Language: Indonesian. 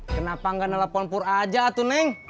kenapa gak nelpon pura aja tuh neng